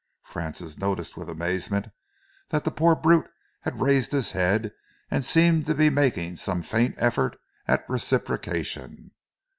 Francis noticed with amazement that the poor brute had raised his head and seemed to be making some faint effort at reciprocation.